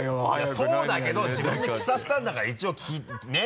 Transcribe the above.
そうだけど自分で着させたんだから一応ねぇ。